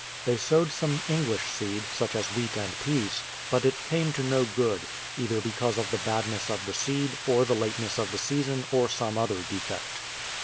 They sowed some English seed, such as wheat and pease, but it came to no good, either because of the badness of the seed or the lateness of the season or some other defect.